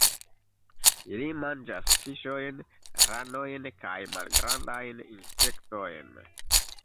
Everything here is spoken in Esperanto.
Ili manĝas fiŝojn, ranojn kaj malgrandajn insektojn.